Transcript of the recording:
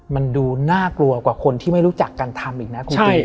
มันดูน่ากลัวกว่าคนที่ไม่รู้จักกันทำอีกนะคุณพี่